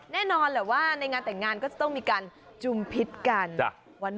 แน่นอนแหละว่าในงานแต่งงานก็จะต้องมีการจุมพิษกัน